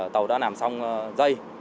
tàu đã làm xong dây